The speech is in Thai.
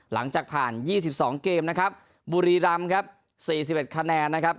หลังจากผ่านยี่สิบสองเกมนะครับบุรีรำครับสี่สิบเอ็ดคะแนนนะครับ